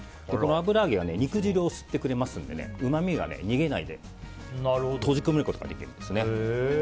この油揚げは肉汁を吸ってくれますのでうまみが逃げないで閉じ込めることができるんです。